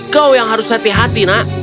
kau yang harus hati hati nak